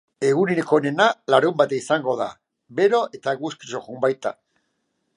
Egunik onena larunbata izango da, bero eta eguzkitsu joango da eta.